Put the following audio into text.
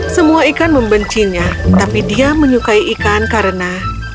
semua ikan membencinya tapi dia menyukai ikan karena